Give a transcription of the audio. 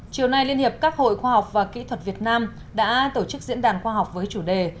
chiều nay liên hiệp các hội khoa học và kỹ thuật việt nam đã tổ chức diễn đàn khoa học với chủ đề